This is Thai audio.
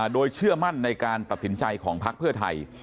โดยเชื่อมั่นในการตัดสินใจของพักเพื่อไทย